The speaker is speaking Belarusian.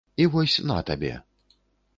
І вось на табе!